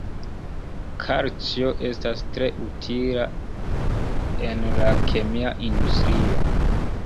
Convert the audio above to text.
Kalcio estas tre utila en la kemia industrio.